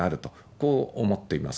こう思っています。